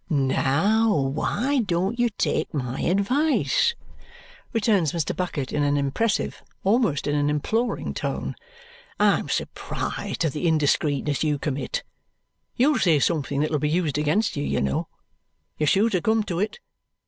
"Now, why don't you take my advice?" returns Mr. Bucket in an impressive, almost in an imploring, tone. "I'm surprised at the indiscreetness you commit. You'll say something that'll be used against you, you know. You're sure to come to it.